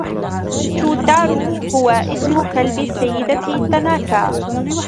تشوتارو هو اسم كلب السيدة تاناكا.